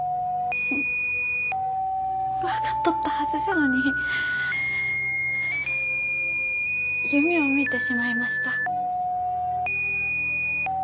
分かっとったはずじゃのに夢を見てしまいました。